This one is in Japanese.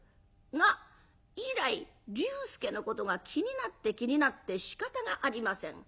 が以来龍介のことが気になって気になってしかたがありません。